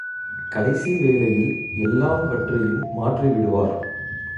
கடைசி வேளையில் எல்லாம்வற்றையும் மாற்றி விடுவார்.